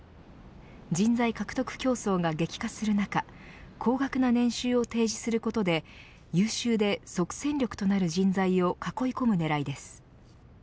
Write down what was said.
人材獲得競争が激化する中高額な年収を提示することで優秀で即戦力となる人材を囲い込む狙いです。